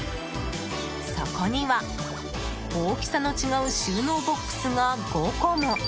そこには、大きさの違う収納ボックスが５個も。